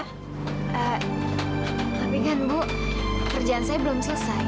tapi kan bu pekerjaan saya belum selesai